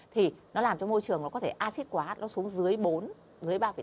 thì nó làm cho môi trường nó có thể acid quá nó xuống dưới bốn dưới ba